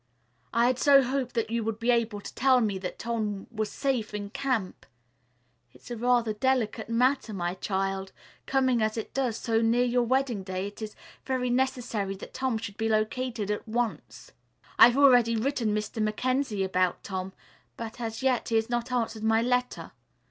"I had so hoped that you would be able to tell me that Tom was safe in camp. It's a rather delicate matter, my child. Coming as it does so near your wedding day, it is very necessary that Tom should be located at once. I've already written Mr. Mackenzie about Tom, but as yet he has not answered my letter.